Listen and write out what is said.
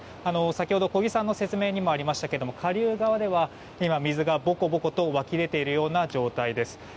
先ほど小木さんの説明にもありましたが下流側では今、水がぼこぼこと湧き出ている状態です。